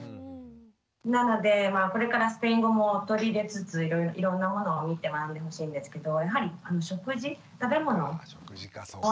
なのでこれからスペイン語も取り入れつついろんなものを見て学んでほしいんですけどやはり食事食べ物。